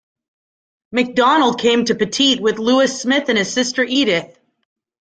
MacDonald came to Petite with Lewis Smith and his sister Edith.